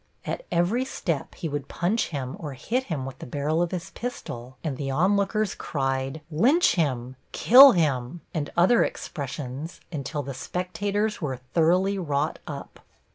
At every step he would punch him or hit him with the barrel of his pistol, and the onlookers cried, "Lynch him!" "Kill him!" and other expressions until the spectators were thoroughly wrought up.